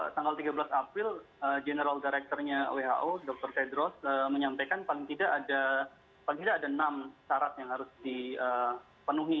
sanggal tiga belas april general directornya who dr tedros menyampaikan paling tidak ada enam syarat yang harus dipenuhi